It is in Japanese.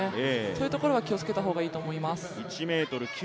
そういうところは気をつけた方がいいと思います。